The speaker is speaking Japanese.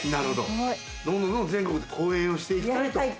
どんどんどんどん全国で公演をしていきたいと。